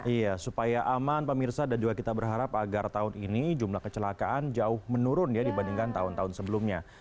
iya supaya aman pemirsa dan juga kita berharap agar tahun ini jumlah kecelakaan jauh menurun ya dibandingkan tahun tahun sebelumnya